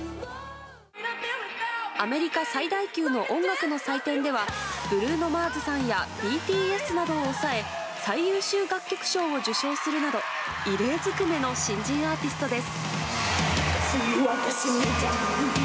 アメリカ最大級の音楽の祭典ではブルーノ・マーズさんやＢＴＳなどを抑え最優秀楽曲賞を受賞するなど異例ずくめの新人アーティストです。